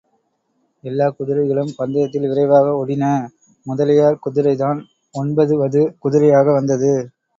எல்லாக் குதிரைகளும் பந்தயத்தில் விரைவாக ஒடின முதலியார் குதிரைதான் ஒன்பது வது குதிரையாக வந்தது.